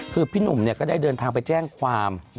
คือพี่หนุ่มก็ได้เดินทางไปแจ้งความ